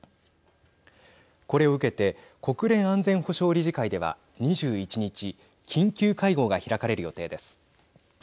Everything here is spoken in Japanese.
これを受けて国連安全保障理事会では２１日緊急会合が開かれる予定です。